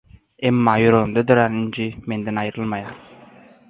Emma ýüregimde dörän ünji menden aýrylmaýar.